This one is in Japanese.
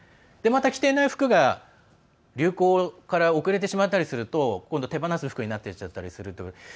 また着ていない服が流行から遅れてしまったりすると今度、手放す服になっていっちゃったりするという。